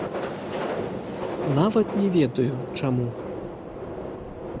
Нават не ведаю, чаму.